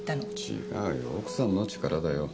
違うよ奥さんの力だよ。